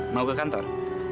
mau ke kantor